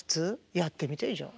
やってみてじゃあ。